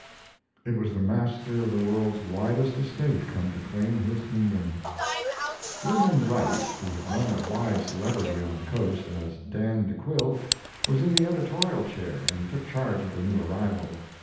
It was the master of the world's widest estate come to claim his kingdom: William Wright, who had won a wide celebrity on the Coast as Dan de Quille, was in the editorial chair and took charge of the new arrival.